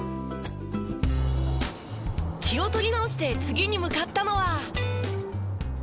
気を取り直して次に向かったのは。